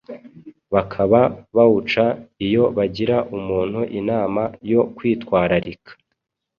Bakaba bawuca iyo bagira umuntu inama yo kwitwararika